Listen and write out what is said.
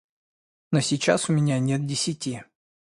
Но сейчас у меня нет десяти.